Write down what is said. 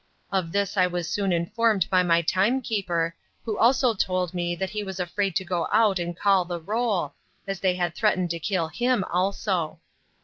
Of this I was soon informed by my time keeper, who also told me that he was afraid to go out and call the roll, as they had threatened to kill him also.